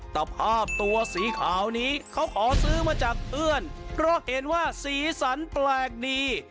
ภาพตัวสีขาวนี้เขาขอซื้อมาจากเพื่อนเพราะเห็นว่าสีสันแปลกดี